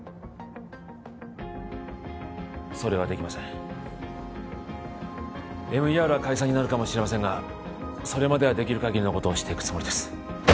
それはできませんＭＥＲは解散になるかもしれませんがそれまではできるかぎりのことをしていくつもりです